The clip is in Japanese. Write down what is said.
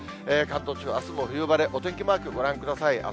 関東地方、あすも冬晴れ、お天気マークご覧ください。